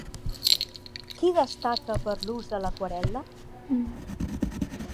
Qui destaca per l'ús de l'aquarel·la?